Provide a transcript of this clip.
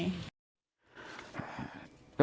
สำเร็จ